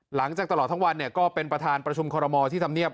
หลังจากตลอดทั้งวันก็เป็นประธานประชุมคอรมอลที่ทำเนียบ